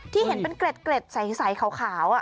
ที่เห็นเป็นเกร็ดใสขาว